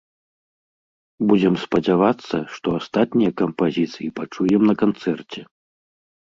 Будзем спадзявацца, што астатнія кампазіцыі пачуем на канцэрце.